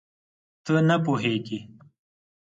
ته نه پوهېږې؟